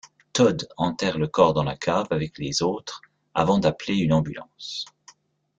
Todd enterre le corps dans la cave, avec les autres, avant d'appeler une ambulance.